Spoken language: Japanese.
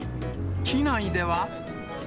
機内では。